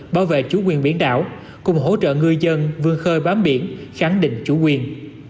bảo vệ chủ quyền biển đảo cùng hỗ trợ người dân vương khơi bám biển kháng định chủ quyền